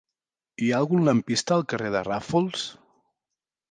Hi ha algun lampista al carrer de Ràfols?